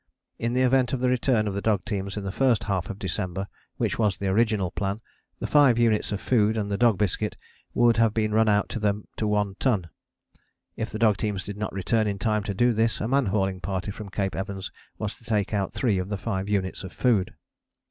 In the event of the return of the dog teams in the first half of December, which was the original plan, the five units of food and the dog biscuit would have been run out by them to One Ton. If the dog teams did not return in time to do this a man hauling party from Cape Evans was to take out three of the five units of food.